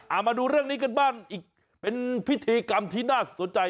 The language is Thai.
เอามาดูเรื่องนี้กันบ้างอีกเป็นพิธีกรรมที่น่าสนใจ